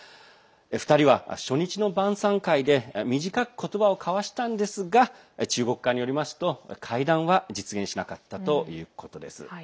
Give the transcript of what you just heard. ２人は初日の晩さん会で短く言葉を交わしたんですが中国側によりますと、会談は実現しなかったということです。